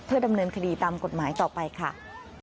ดำเนินคดีตามกฎหมายต่อไปค่ะ